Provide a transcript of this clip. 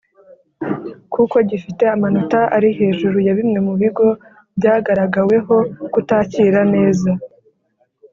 kuko gifite amanota ari hejuru ya Bimwe mu bigo byagaragaweho kutakira neza